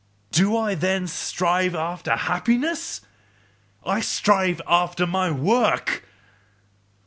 Do I then strive after HAPPINESS? I strive after my WORK!